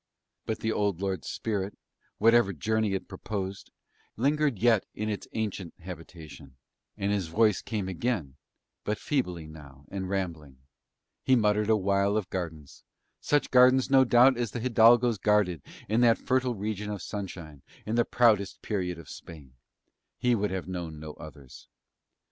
But the old lord's spirit, whatever journey it purposed, lingered yet in its ancient habitation, and his voice came again, but feebly now and rambling; he muttered awhile of gardens, such gardens no doubt as the hidalgos guarded in that fertile region of sunshine in the proudest period of Spain; he would have known no others.